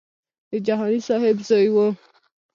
د جهاني صاحب زوی و.